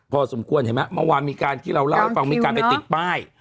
พอสมควรเห็นไหมเมื่อวานมีการที่เราเล่าให้ฟังมีการไปติดป้าย